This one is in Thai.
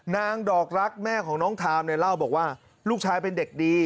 ดอกรักแม่ของน้องทามเนี่ยเล่าบอกว่าลูกชายเป็นเด็กดี